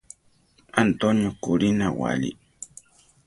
Antonio kurí nawáli.